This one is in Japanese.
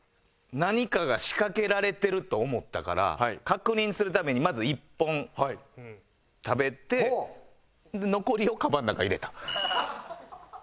何かが仕掛けられてると思ったから確認するためにまず１本食べて残りをカバンの中入れた。